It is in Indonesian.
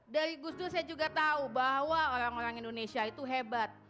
dari gus dur saya juga tahu bahwa orang orang indonesia itu hebat